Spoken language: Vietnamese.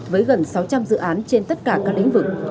với gần sáu trăm linh dự án trên tất cả các lĩnh vực